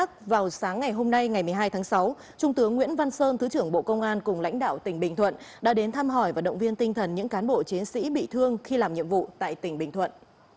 trước đó vào sáng ngày hôm nay ngày một mươi hai tháng sáu trung tướng nguyễn văn sơn thứ trưởng bộ công an cùng lãnh đạo tỉnh bình thuận đã đến thăm hỏi và động viên tinh thần những cán bộ chiến sĩ bị thương khi làm nhiệm vụ tại tỉnh bình thuận